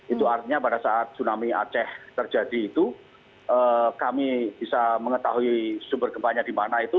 itu artinya pada saat tsunami aceh terjadi itu kami bisa mengetahui sumber gempanya di mana itu